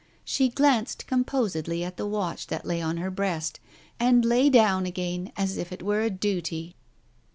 She glanced composedly at the watch that lay on her breast, and lay down again as if it were a duty.